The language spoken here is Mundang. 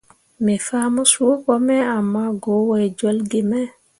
Me fah mo suuko me ama go wai jolle ge me.